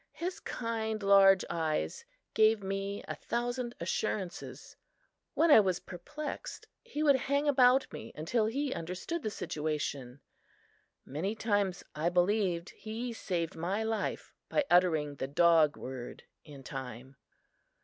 His kind, large eyes gave me a thousand assurances. When I was perplexed, he would hang about me until he understood the situation. Many times I believed he saved my life by uttering the dog word in time.